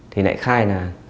thì lại khai là